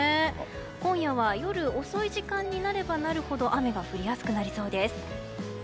今夜は夜遅い時間になればなるほど雨が降りやすくなりそうです。